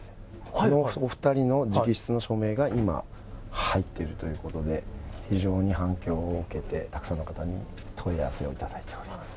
このお２人の直筆の署名が、今、入っているということで、非常に反響を受けて、たくさんの方に問い合わせをいただいております。